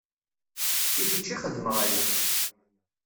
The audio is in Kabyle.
I kečč i xedmeɣ aya.